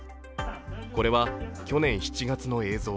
これは去年７月の映像。